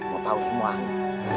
lo tau semua